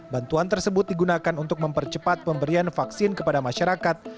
bantuan tersebut digunakan untuk mempercepat pemberian vaksin kepada masyarakat